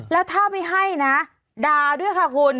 แล้วถ้าไม่ให้นะด่าด้วยค่ะคุณ